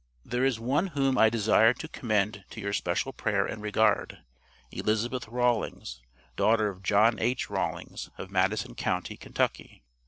There is one whom I desire to commend to your special prayer and regard, Elizabeth Rawlings, daughter of John H. Rawlings, of Madison county, Kentucky.